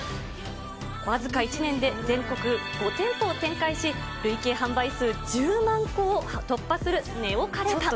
僅か１年で全国５店舗を展開し、累計販売数１０万個を突破するＮＥＯカレーパン。